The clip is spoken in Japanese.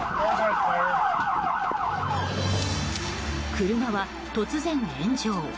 車は突然炎上。